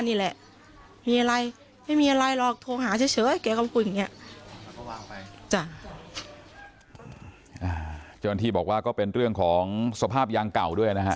เจ้าหน้าที่บอกว่าก็เป็นเรื่องของสภาพยางเก่าด้วยนะฮะ